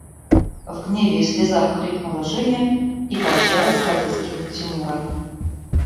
В гневе и слезах крикнула Женя и помчалась разыскивать Тимура.